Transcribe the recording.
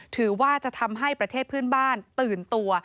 ถือว่าจะทำให้ประเทศเพื่อนบ้านตื่นตัว